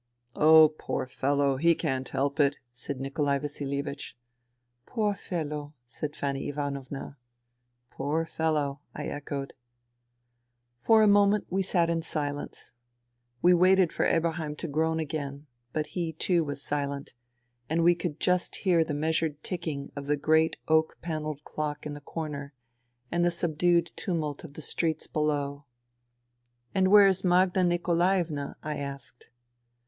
" Oh, poor fellow, he can't help it," said Nikolai IVasilievich. " Poor fellow," said Fanny Ivanovna. " Poor fellow," I echoed. For a moment we sat in silence. We waited for Eberheim to groan again ; but he too was silent ; and we could just hear the measured ticking of the great oak panelled clock in the corner and the subdued tumult of the streets below. jV *' And where is Magda Nikolaevna ?" I asked.